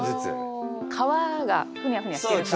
皮がふにゃふにゃしてるから。